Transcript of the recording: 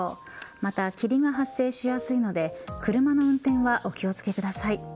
また霧が発生しやすいので車の運転はお気を付けください。